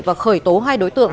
và khởi tố hai đối tượng